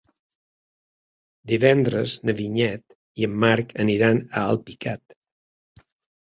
Divendres na Vinyet i en Marc aniran a Alpicat.